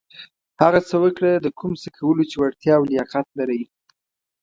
هغه څه وکړه د کوم څه کولو چې وړتېا او لياقت لرٸ.